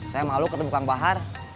saya malu ketemu kang bahar